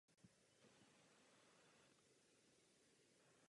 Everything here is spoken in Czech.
Čnělka je delší než tyčinky.